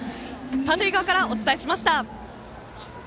三塁側からお伝えしました。